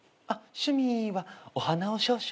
趣味はお花を少々。